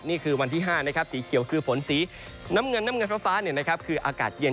นี่คือวันที่๕นะครับสีเขียวคือฝนสีน้ำเงินน้ำเงินฟ้าคืออากาศเย็น